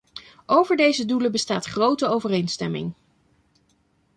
Over deze doelen bestaat grote overeenstemming.